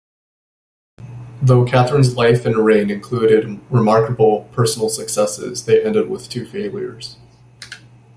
Though Catherine's life and reign included remarkable personal successes, they ended with two failures.